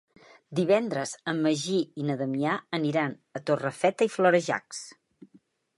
Divendres en Magí i na Damià aniran a Torrefeta i Florejacs.